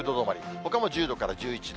ほかも１０度から１１度。